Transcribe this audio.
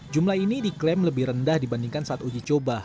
jumlah ini diklaim lebih rendah dibandingkan saat uji coba